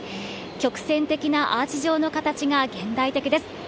曲線的なアーチ状の形が現代的です。